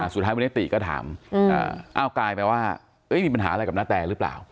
สุดท้ายวันนี้ตรีก็ถามอืมอ่าอ้าวกลายไปว่าเอ้ยมีปัญหาอะไรกับนาแตรึเปล่า